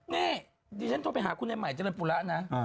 นี่ดิฉันโทรไปหาคุณในใหม่เจริญปุระนะ